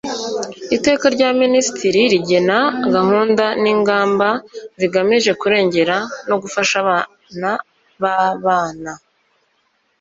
Iteka rya Minisitiri rigena gahunda n ingamba zigamije kurengera no gufasha abana babana